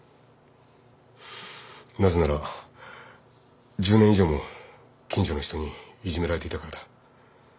なぜなら１０年以上も近所の人にいじめられていたからだ。